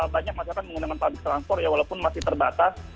banyak masyarakat menggunakan public transport ya walaupun masih terbatas